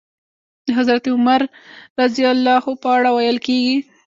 د حضرت عمر رض په اړه ويل کېږي.